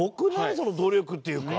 その努力っていうか。